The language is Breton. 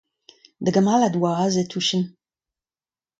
Da gamalad a oa aze tuchant'.